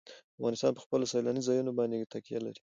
افغانستان په خپلو سیلاني ځایونو باندې تکیه لري.